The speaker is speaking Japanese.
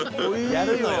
やるのよ